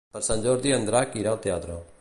Per Sant Jordi en Drac irà al teatre.